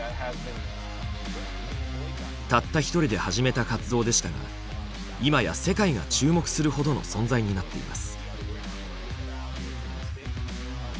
たった一人で始めた活動でしたが今や世界が注目するほどの存在になっています。